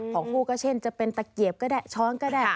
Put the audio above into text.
ของคู่ก็เช่นจะเป็นตะเกียบก็ได้ช้อนก็ได้